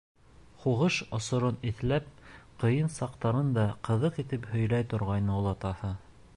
Һуғыш осорон иҫләп, ҡыйын саҡтарын да ҡыҙыҡ итеп һөйләй торғайны олатаһы.